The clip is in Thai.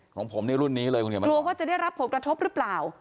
ของผมนี่รุ่นนี้เลยคุณเขียนมากลัวว่าจะได้รับผลกระทบหรือเปล่า